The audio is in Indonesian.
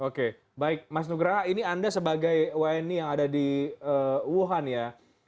oke baik mas nugra ini anda sebagai wni yang ada di wuhan ya